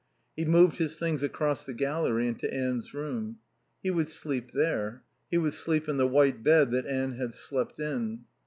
He moved his things across the gallery into Anne's room. He would sleep there; he would sleep in the white bed that Anne had slept in.